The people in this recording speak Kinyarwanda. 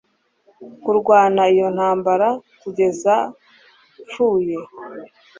kurwana iyo ntambara kugeza pfuye